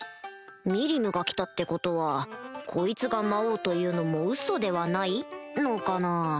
ミリムが来たってことはこいつが魔王というのもウソではない？のかなぁ